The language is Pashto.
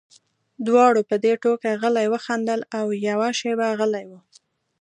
دواړو په دې ټوکه غلي وخندل او یوه شېبه غلي وو